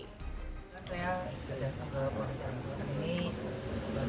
saksa yang terjadi di toko kue milik ruben